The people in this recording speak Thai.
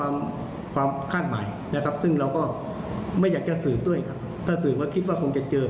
มันเกิดขึ้นจริง